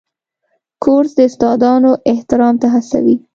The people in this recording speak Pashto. کورس د استادانو احترام ته هڅوي.